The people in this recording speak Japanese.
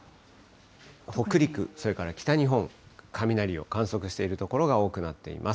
北陸、それから北日本、雷を観測している所が多くなっています。